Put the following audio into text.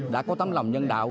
đã có tấm lòng nhân đạo